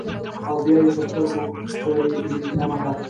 او بيا يې پۀ سترګو کړې وې سمه ده ـ